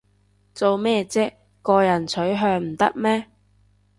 做咩唧個人取向唔得咩